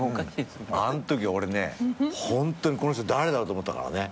あん時俺ねホントにこの人誰だろうと思ったからね。